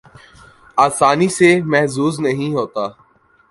آسانی سے محظوظ نہیں ہوتا